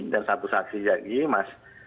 dan satu saksi lagi mas